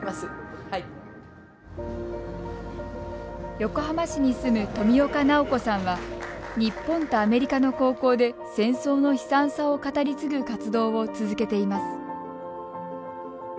横浜市に住む冨岡直子さんは日本とアメリカの高校で戦争の悲惨さを語り継ぐ活動を続けています。